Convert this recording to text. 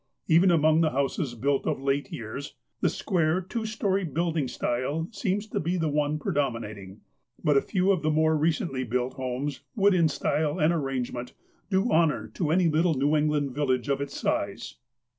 Even among the houses built of late years the square, two storey building style seems to be the one predomina ting. But a few of the more recently built homes would, in style and arrangement, do honour to any little New England village of its size.